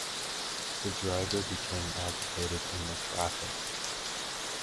The driver became agitated in the traffic.